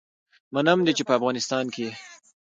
منم دی چې په افغانستان کي يي